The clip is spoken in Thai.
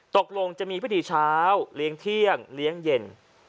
ตกลงจะมีพิธีเช้าเลี้ยงเที่ยงเลี้ยงเย็น